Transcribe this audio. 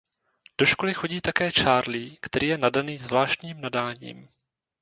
Do školy chodí také Charlie který je nadaný zvláštním nadáním.